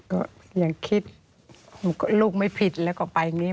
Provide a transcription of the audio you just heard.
ก็ยังคิดลูกไม่ผิดแล้วก็ไปอย่างนี้